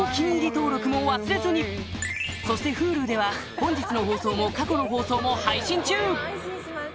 登録も忘れずにそしてＨｕｌｕでは本日の放送も過去の放送も配信中！